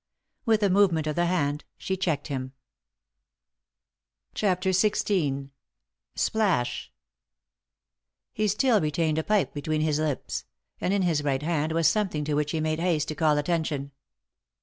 With a move ment of the hand she checked him. 167 3i 9 iii^d by Google CHAPTER XVI SPLASH 1 He still retained a pipe between his lips ; and in his right hand was something to which he made baste to call attention.